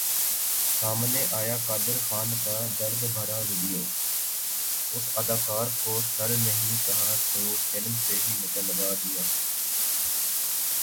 سامنے آیا قادر خان کا درد بھرا ویڈیو ، اس اداکار کو سر نہیں کہا تو فلم سے ہی نکلوادیا